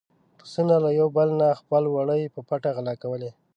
پسونو له يو بل نه خپل وړي په پټه غلا کولې.